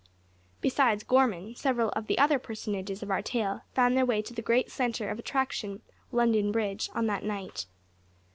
Besides Gorman, several of the other personages of our tale found their way to the great centre of attraction, London Bridge, on that night.